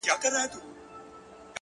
o چي مرور نه یم، چي در پُخلا سم تاته،